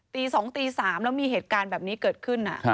ตี๒ตี๓แล้วมีเหตุการณ์แบบนี้เกิดขึ้น